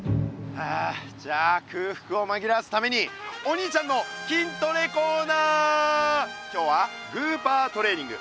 じゃくうふくをまぎらわすために「お兄ちゃんの筋トレコーナー」。今日はグーパートレーニング！